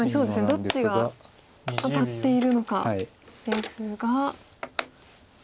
どっちがアタっているのかですが。